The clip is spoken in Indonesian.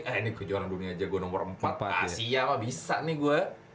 eh ini kejuaraan dunia aja gue nomor empat asia mah bisa nih gue